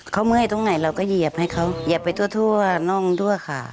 เขาเมื่อยตรงไหนเราก็เหยียบให้เขาเหยียบไปทั่วน่องทั่วขา